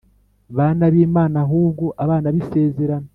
bana b Imana ahubwo abana b isezerano